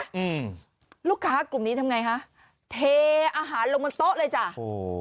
อืมลูกค้ากลุ่มนี้ทำไงคะเทอาหารลงบนโต๊ะเลยจ้ะโอ้โห